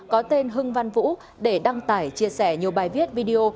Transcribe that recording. có tên hưng văn vũ để đăng tải chia sẻ nhiều bài viết video